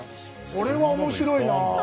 これは面白いなあ。